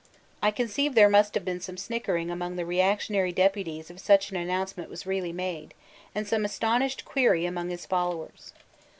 I conceive there must have been some snickering among the reactionary deputies if such an announcement was really made; and some astonished query among his followers.